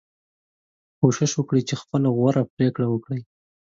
کوشش وکړئ چې خپله غوره پریکړه وکړئ.